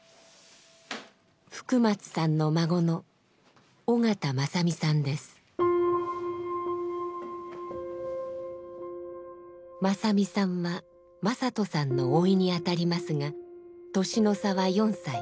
福松さんの孫の正実さんは正人さんの甥に当たりますが年の差は４歳。